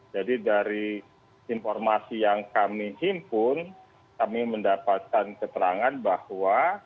jadi dari informasi yang kami himpun kami mendapatkan keterangan bahwa